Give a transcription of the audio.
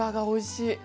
おいしい！